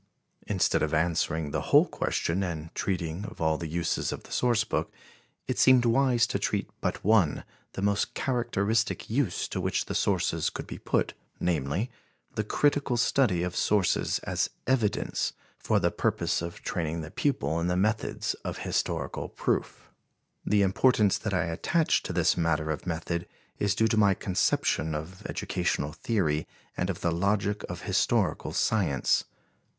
Instead of answering the whole question and treating of all the uses of the source book, it seemed wise to treat but one, the most characteristic use to which the sources could be put, namely, the critical study of sources as evidence, for the purpose of training the pupil in the methods of historical proof. The importance that I attach to this matter of method is due to my conception of educational theory and of the logic of historical science.